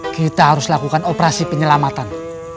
kita harus lakukan operasi penyelamatan